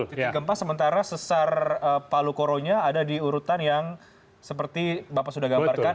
titik gempa sementara sesar palu koronya ada di urutan yang seperti bapak sudah gambarkan